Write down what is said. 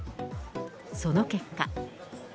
その結果。